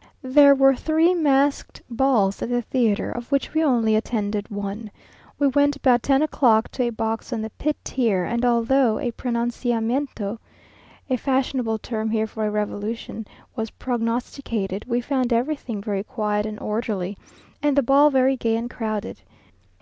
_ There were three masked balls at the theatre, of which we only attended one. We went about ten o'clock to a box on the pit tier, and although a pronunciamento (a fashionable term here for a revolution) was prognosticated, we found everything very quiet and orderly, and the ball very gay and crowded.